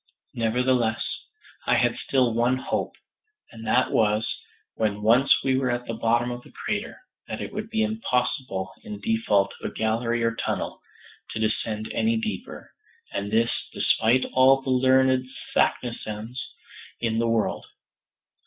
Nevertheless, I had still one hope, and that was, when once we were at the bottom of the crater, that it would be impossible in default of a gallery or tunnel, to descend any deeper; and this, despite all the learned Saknussemms in the world.